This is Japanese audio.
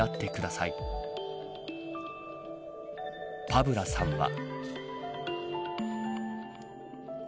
パブラさんは。